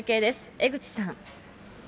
江口さん。